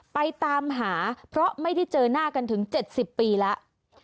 ไปตามหาเพราะไม่ได้เจอหน้ากันถึง๗๐ปีแล้ว